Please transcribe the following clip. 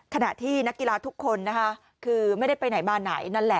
ขณะที่นักกีฬาทุกคนคือไม่ได้ไปไหนมาไหน